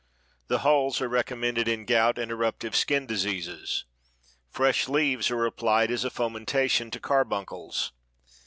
The hulls are recommended in gout and eruptive skin diseases. Fresh leaves are applied as a fomentation to carbuncles.